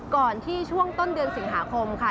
ก่อนที่ช่วงต้นเดือนสิงหาคมค่ะ